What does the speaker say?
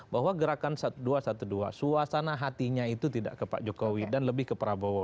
bahwa gerakan dua ratus dua belas suasana hatinya itu tidak ke pak jokowi dan lebih ke prabowo